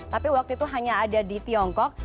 tapi waktu itu hanya ada di tiongkok